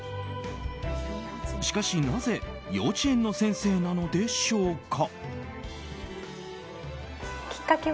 しかし、なぜ幼稚園の先生なのでしょうか。